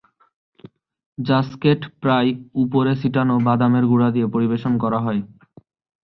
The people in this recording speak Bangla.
জাঙ্কেট প্রায়ই উপরে ছিটানো বাদামের গুড়া দিয়ে পরিবেশন করা হয়।